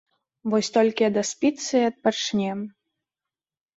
Вось толькі адаспіцца і адпачне.